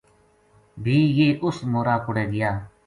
بھی یہ اس مورا کوڑے گیا